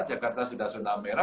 jakarta sudah sunam merah